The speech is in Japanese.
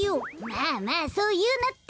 まあまあそういうなって。